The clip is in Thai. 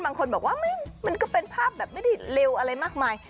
บางคนบอกว่ามันก็เป็นภาพแบบไม่ได้เร็วอะไรมากมาย